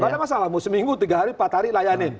nggak ada masalah mau seminggu tiga hari empat hari layanin